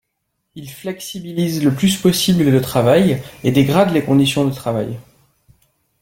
Il flexibilise le plus possible le travail et dégrade les conditions de travail.